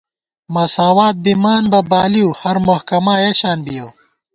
مساوات بِمان بہ بالِؤ ، ہر محکَما یَہ شان بِیَؤ